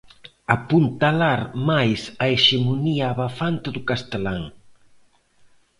Apuntalar máis a hexemonía abafante do castelán.